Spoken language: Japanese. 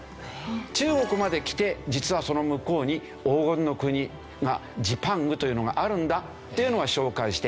中国まで来て実はその向こうに黄金の国がジパングというのがあるんだっていうのは紹介して。